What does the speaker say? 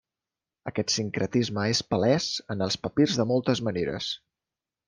Aquest sincretisme és palès en els papirs de moltes maneres.